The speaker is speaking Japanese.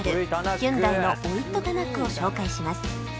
ヒュンダイのオイット・タナックを紹介します